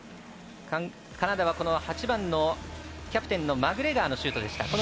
カナダは８番のキャプテンのマグレガーのシュートでした。